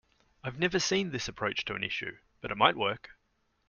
I have never seen this approach to this issue, but it might work.